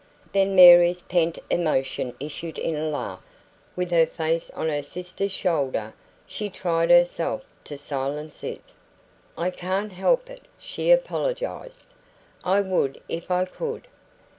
Then Mary's pent emotion issued in a laugh. With her face on her sister's shoulder, she tried herself to silence it. "I can't help it," she apologised. "I would if I could.